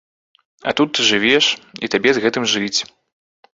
А тут ты жывеш, і табе з гэтым жыць.